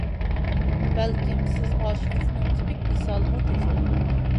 بەلكىم سىز ئاشىقلىقنىڭ تىپىك مىسالىمۇ تېخى؟ !